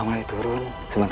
apakah dia orang jahat